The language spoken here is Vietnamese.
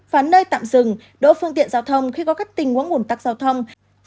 và nơi tạm dừng đổ phương tiện giao thông khi có các tình huống nguồn tắc giao thông